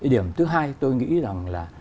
điểm thứ hai tôi nghĩ là